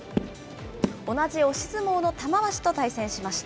同じ押し相撲の玉鷲と対戦しました。